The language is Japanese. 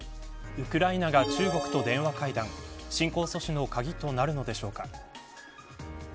ウクライナが中国と電話会談侵攻阻止の鍵となるのでしょうか。